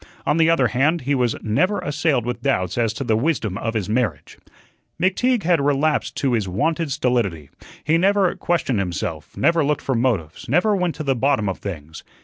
On the other hand, he was never assailed with doubts as to the wisdom of his marriage. McTeague had relapsed to his wonted stolidity. He never questioned himself, never looked for motives, never went to the bottom of things.